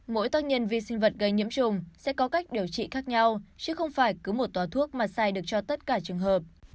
mỗi tác nhân vi sinh vật gây nhiễm trùng sẽ có cách điều trị khác nhau chứ không phải cứ một tòa thuốc mà sai được cho tất cả trường hợp